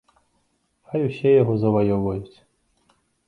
Хай усе яго заваёўваюць.